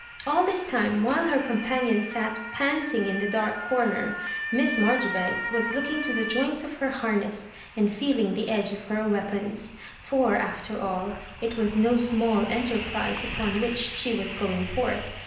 All this time, while her companion sat panting in the dark comer. Miss Marjoribanks was looking to the joints of her harness, and feel ing the edge of her weapons. For, after all, it was no small enterprise upon which she was going forth.